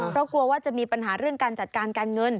เพราะกลัวว่าจะมีปัญหาเรื่องการจัดการการเงิน